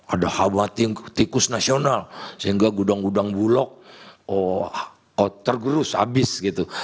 ada khawatir tikus nasional sehingga gudang gudang bulog tergerus habis gitu